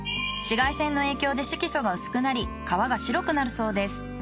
紫外線の影響で色素が薄くなり皮が白くなるそうです。